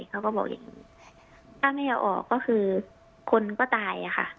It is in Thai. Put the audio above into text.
เขาก็บอกอย่างนี้ถ้าไม่เอาออกก็คือคนก็ตายอะค่ะ